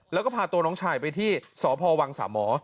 แล้วก็พาตัวน้องชายไปที่สพวังสามหมอ